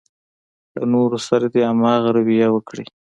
له نورو سره دې هماغه رويه وکړي.